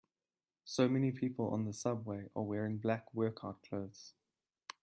So many people on the subway are wearing black workout clothes.